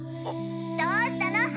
どうしたの？